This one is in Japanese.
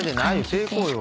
成功よ。